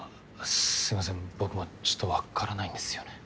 すいません僕もちょっとわからないんですよね。